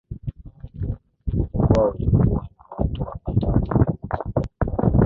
Mkoa ulikuwa na watu wapatao milioni moja